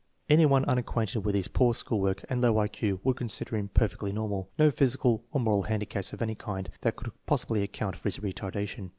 Any one unacquainted with his poor school work and low I Q would consider him per fectly normal. No physical or moral handicaps of any kind that could possibly account for his retardation.